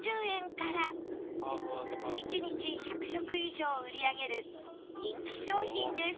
１日１００食以上売り上げる人気商品です